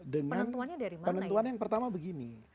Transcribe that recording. dengan penentuan yang pertama begini